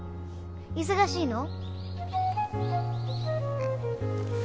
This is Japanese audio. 忙しいの？